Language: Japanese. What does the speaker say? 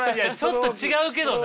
ちょっと違うけどな。